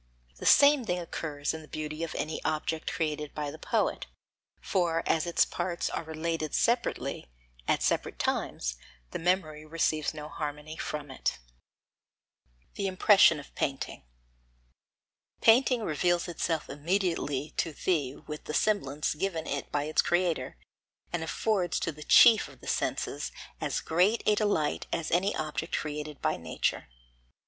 The same thing occurs in the beauty of any object created by the poet, for as its parts are related separately, at separate times the memory receives no harmony from it. [Sidenote: The Impression of Painting] 17. Painting reveals itself immediately to thee with the semblance given it by its creator, and affords to the chief of the senses as great a delight as any object created by nature.